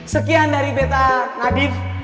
sekian dari beta nadif